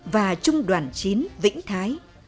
và trung đoàn chín vĩnh thái